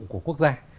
của quốc gia